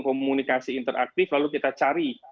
komunikasi interaktif lalu kita cari